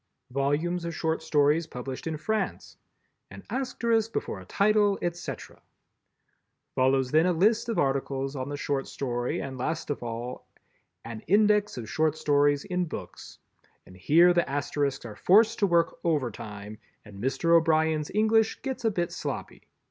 _" Volumes of Short Stories published in France. "An Asterisk before a title, etc." Follows then a list of articles on the Short Story and last of all An Index of Short Stories in Books, and here the Asterisks are forced to work overtime and Mr. O'Brien's English gets a bit sloppy.